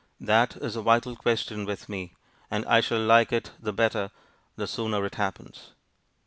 That is a vital question with me; and I shall like it the better, the sooner it happens!